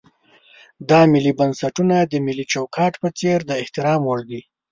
دا ملي بنسټونه د ملي چوکاټ په څېر د احترام وړ دي.